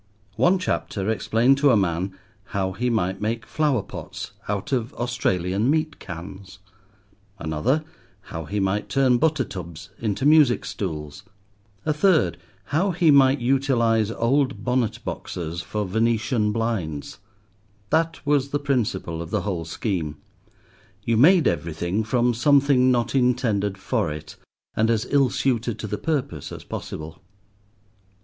One chapter explained to a man how he might make flower pots out of Australian meat cans; another how he might turn butter tubs into music stools; a third how he might utilize old bonnet boxes for Venetian blinds: that was the principle of the whole scheme, you made everything from something not intended for it, and as ill suited to the purpose as possible.